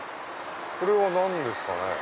これは何ですかね？